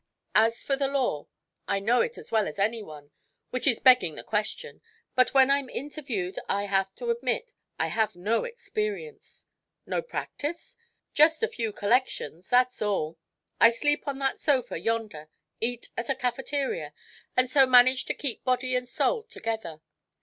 As for the law, I know it as well as anyone which is begging the question but when I'm interviewed I have to admit I've had no experience." "No practice?" "Just a few collections, that's all I sleep on that sofa yonder, eat at a cafeteria, and so manage to keep body and soul together.